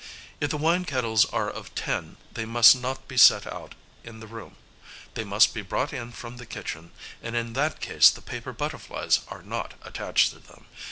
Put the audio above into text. If the wine kettles are of tin, they must not be set out in the room: they must be brought in from the kitchen; and in that case the paper butterflies are not attached to them.